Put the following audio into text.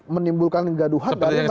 menimbulkan gaduhan dari menteri menteri